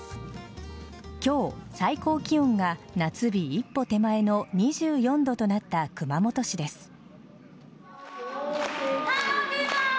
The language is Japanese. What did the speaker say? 今日、最高気温が夏日一歩手前の２４度となった熊本市です。